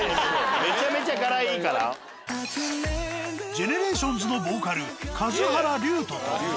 ＧＥＮＥＲＡＴＩＯＮＳのボーカル龍！